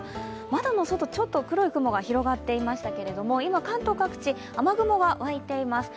まだ外は黒い雲が広がっていましたけれども今、関東各地、雨雲が湧いています。